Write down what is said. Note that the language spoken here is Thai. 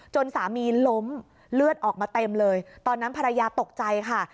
สามีล้มเลือดออกมาเต็มเลยตอนนั้นภรรยาตกใจค่ะ